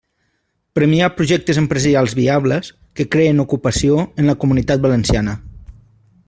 Premiar projectes empresarials viables que creen ocupació en la Comunitat Valenciana.